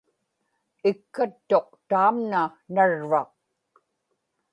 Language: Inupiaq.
ikkattuq taamna narvaq